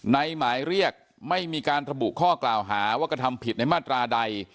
หมายเรียกไม่มีการระบุข้อกล่าวหาว่ากระทำผิดในมาตราใด